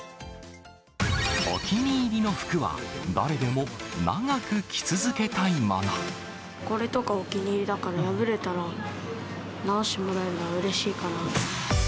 お気に入りの服は、これとかお気に入りだから、破れたら直してもらえるのは、うれしいかな。